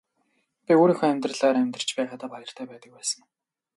Би өөрийнхөө амьдралаар амьдарч байгаадаа баяртай байдаг байсан.